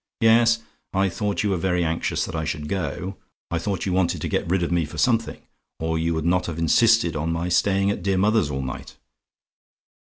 Yes, I thought you were very anxious that I should go; I thought you wanted to get rid of me for something, or you would not have insisted on my staying at dear mother's all night.